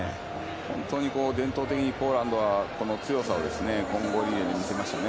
本当に伝統的にポーランドは強さを混合リレーで見せましたね。